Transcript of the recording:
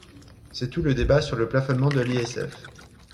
C’est tout le débat sur le plafonnement de l’ISF.